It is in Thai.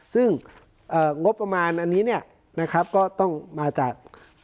ซึ่งงบประมาณอันนี้เนี่ยนะครับก็ต้องมาจาก